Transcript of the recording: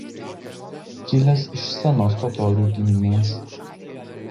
Kilęs iš senos totorių giminės.